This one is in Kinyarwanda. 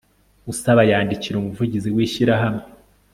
usaba yandikira umuvugizi w ishyirahamwe